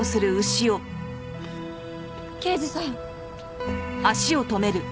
刑事さん。